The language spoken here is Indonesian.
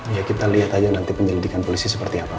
ya kita lihat aja nanti penyelidikan polisi seperti apa